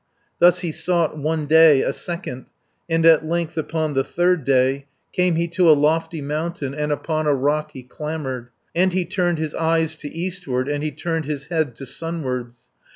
Thus he sought one day, a second, And at length upon the third day Came he to a lofty mountain, And upon a rock he clambered. And he turned his eyes to eastward, And he turned his head to sunwards.